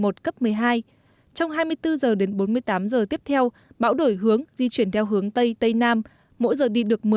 trong hai mươi bốn giờ đến bốn mươi tám giờ tiếp theo bão đổi hướng di chuyển theo hướng tây tây nam mỗi giờ đi được một mươi một mươi năm km